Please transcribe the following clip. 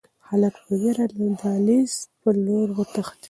هلک په وېره کې د دهلېز په لور وتښتېد.